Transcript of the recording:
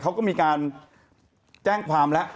เขาก็มีการแจ้งความแล้ว